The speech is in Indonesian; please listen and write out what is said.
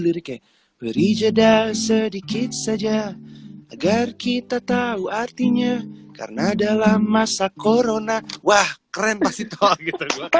liriknya beri jadah sedikit saja agar kita tahu artinya karena dalam masa corona wah keren pasti